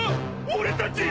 俺たち！